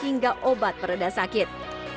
sehingga obat pereda sakit